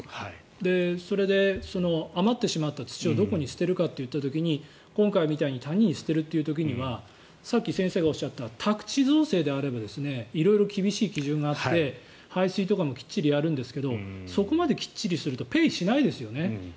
それで、余ったしまった土をどこに捨てるかという時に今回みたいに谷に捨てるという時にはさっき先生がおっしゃった宅地造成であれば色々と厳しい基準があって排水とかもきっちりやるんですがそこまできっちりやるとペイしないですよね。